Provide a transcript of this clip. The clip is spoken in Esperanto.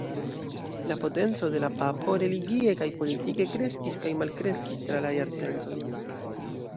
La potenco de la papo, religie kaj politike, kreskis kaj malkreskis tra la jarcentoj.